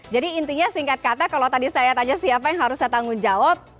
jadi intinya singkat kata kalau tadi saya tanya siapa yang harus saya tanggung jawab